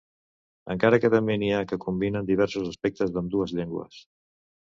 Encara que també n'hi ha que combinen diversos aspectes d'ambdues llengües.